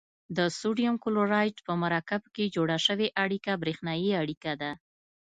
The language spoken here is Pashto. د سوډیم کلورایډ په مرکب کې جوړه شوې اړیکه بریښنايي اړیکه ده.